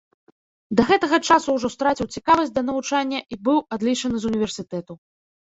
Да гэтага часу ўжо страціў цікавасць да навучання і быў адлічаны з універсітэту.